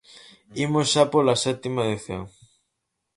Imos xa pola sétima edición.